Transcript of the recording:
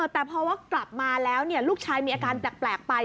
แต่พอว่ากลับมาแล้วลูกชายมีอาการแปลกไป